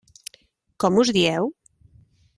Com us dieu?